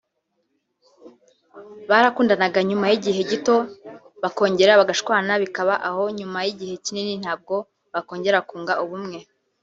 barakundanaga nyuma y’igihe gito bakongera bagashwana bikaba aho nyuma y’igihe kinini nabwo bakongera kunga ubumwe